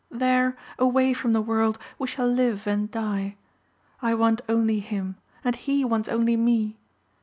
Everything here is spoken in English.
There, away from the world, we shall live and die. I want only him and he wants only me.